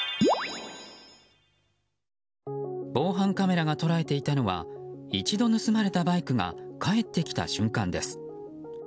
防犯カメラが捉えていたのは一度盗まれたバイクが返ってきた瞬間です。